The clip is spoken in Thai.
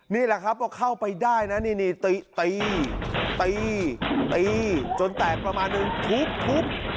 นี่แหละครับก็เข้าไปได้นะนี่ตีตีตีจนแตกประมาณหนึ่งทุบ